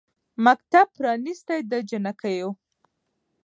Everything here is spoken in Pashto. مکتب پرانیستی د جینکیو